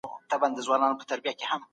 ایا ته په دي لار کي له ما سره ملګری کيږي؟